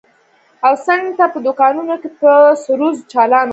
او څنگ ته په دوکانونو کښې به سروذ چالان و.